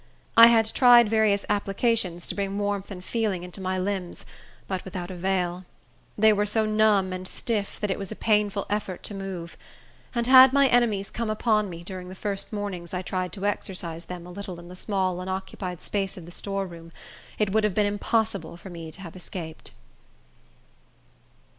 I had tried various applications to bring warmth and feeling into my limbs, but without avail. They were so numb and stiff that it was a painful effort to move; and had my enemies come upon me during the first mornings I tried to exercise them a little in the small unoccupied space of the storeroom, it would have been impossible for me to have escaped.